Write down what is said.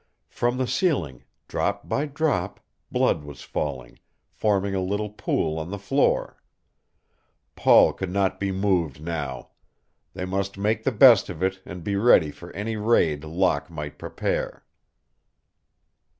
From the ceiling, drop by drop, blood was falling, forming a little pool on the floor. Paul could not be moved now. They must make the best of it and be ready for any raid Locke might prepare.